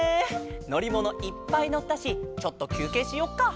のりものいっぱいのったしちょっときゅうけいしよっか。